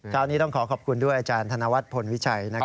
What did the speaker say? คราวนี้ต้องขอขอบคุณด้วยอาจารย์ธนวัฒนพลวิชัยนะครับ